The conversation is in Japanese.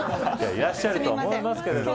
いらっしゃると思いますけど。